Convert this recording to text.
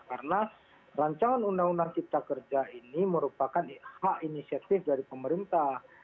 karena rancangan undang undang kita kerja ini merupakan hak inisiatif dari pemerintah